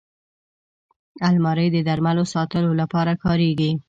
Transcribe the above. الماري د درملو ساتلو لپاره کارېږي